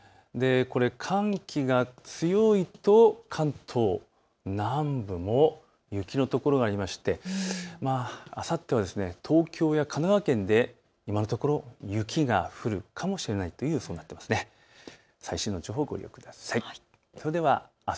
寒気が強いと関東南部も雪の所があってあさっては東京や神奈川県で今のところ、雪が降るかもしれないという予想になっています。